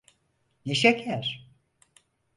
Ne şeker.